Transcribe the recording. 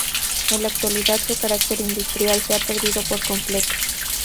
En la actualidad su carácter industrial se ha perdido por completo.